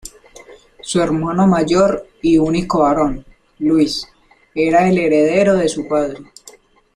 Su hermano mayor y único varón, Luis, era el heredero de su padre.